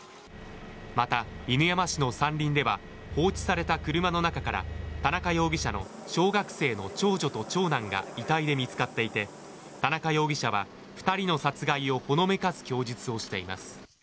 また、犬山市の山林では放置された車の中から田中容疑者の小学生の長女と長男が遺体で見つかっていて田中容疑者は２人の殺害をほのめかす供述をしています。